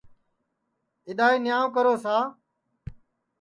اِدائے نِیاو کرو سا